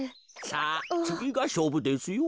さあつぎがしょうぶですよ。